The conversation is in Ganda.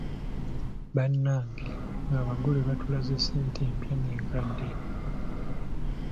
Bannange abagole batulaze ssente, empya n'enkadde.